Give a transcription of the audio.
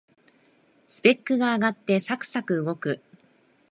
スペックが上がってサクサク動く